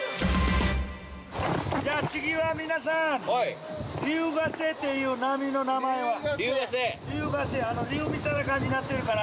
◆じゃあ、次は皆さん、竜ヶ瀬という、波の名前は竜みたいな感じになってるから。